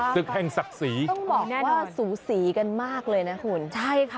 ศึกแห่งศักดิ์ศรีต้องบอกว่าสูสีกันมากเลยนะคุณใช่ค่ะ